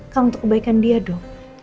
kan untuk kebaikan dia dong